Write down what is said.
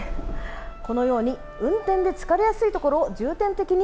このように運転で疲れやすいところを重点的に